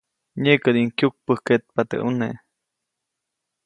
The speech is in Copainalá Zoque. Nyeʼkädiʼuŋ kyukpäjkkeʼtpa teʼ ʼuneʼ.